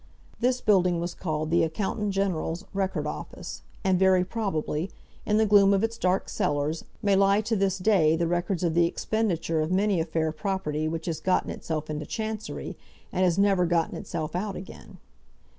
This building was called the Accountant General's Record Office, and very probably, in the gloom of its dark cellars, may lie to this day the records of the expenditure of many a fair property which has gotten itself into Chancery, and has never gotten itself out again.